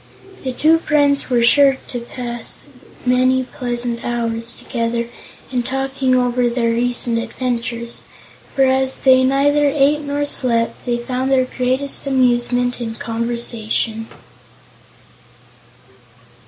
The two friends were sure to pass many pleasant hours together in talking over their recent adventures, for as they neither ate nor slept they found their greatest amusement in conversation.